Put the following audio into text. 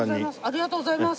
ありがとうございます！